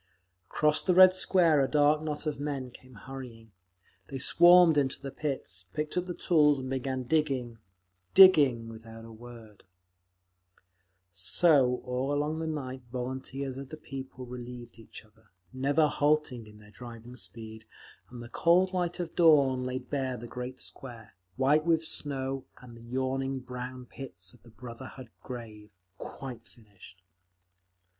Across the Red Square a dark knot of men came hurrying. They swarmed into the pits, picked up the tools and began digging, digging, without a word…. So, all the long night volunteers of the People relieved each other, never halting in their driving speed, and the cold light of the dawn laid bare the great Square, white with snow, and the yawning brown pits of the Brotherhood Grave, quite finished.